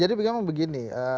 jadi memang begini